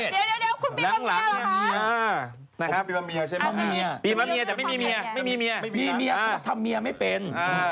ทำเมียไม่เป็น